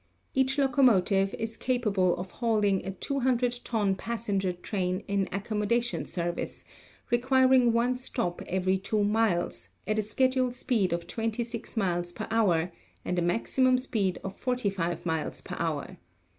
Each locomotive is capable of hauling a 200 ton passenger train in accommodation service, requiring one stop every two miles, at a schedule speed of 26 miles per hour and a maximum speed of 45 miles per hour.